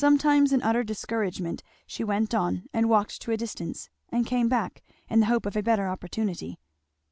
Sometimes in utter discouragement she went on and walked to a distance and came back, in the hope of a better opportunity.